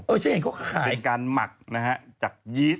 ฉันเห็นเขาขายเป็นการหมักนะฮะจากยีส